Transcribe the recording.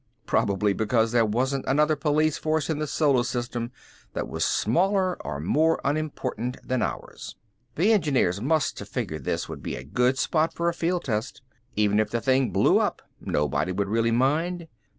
Probably because there wasn't another police force in the solar system that was smaller or more unimportant than ours. The engineers must have figured this would be a good spot for a field test. Even if the thing blew up, nobody would really mind.